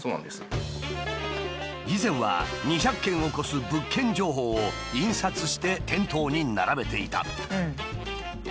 以前は２００件を超す物件情報を印刷して店頭に並べていた。